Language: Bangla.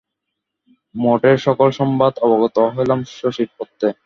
মঠের সকল সংবাদ অবগত হইলাম শশীর পত্রে।